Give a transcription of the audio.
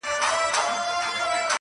نيمه خوږه نيمه ترخه وه ښه دى تېره سوله,